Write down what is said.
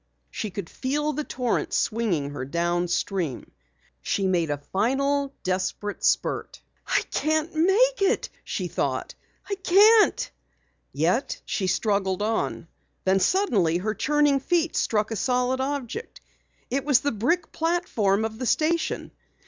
She could feel the torrent swinging her downstream. She made a final, desperate spurt. "I can't make it!" she thought. "I can't!" Yet she struggled on. Then suddenly her churning feet struck a solid object. It was the brick platform of the station!